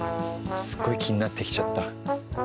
すごい気になってきちゃった。